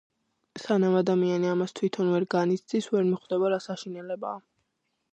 სანამ ადამიანი ამას თვითონ ვერ განიცდის, ვერ მიხვდება რა საშინელებაა.